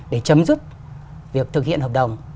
để chấm dứt việc thực hiện hợp đồng